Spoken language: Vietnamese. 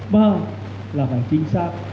ba là phải chính xác